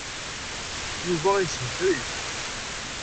Yuba a yeshetrif.